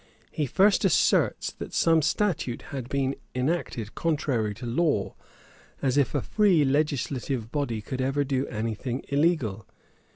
He first asserts, that that statute had been enacted contrary to law, as if a free legislative body could ever do any thing illegal.